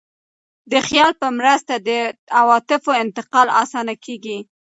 د خیال په مرسته د عواطفو انتقال اسانه کېږي.